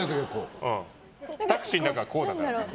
タクシーの中はこうだから。